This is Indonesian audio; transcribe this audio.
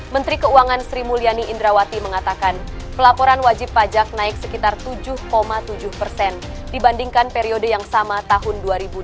menteri keuangan sri mulyani indrawati mengatakan pelaporan wajib pajak naik sekitar tujuh tujuh persen dibandingkan periode yang sama tahun dua ribu dua puluh